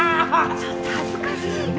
ちょっと恥ずかしいから。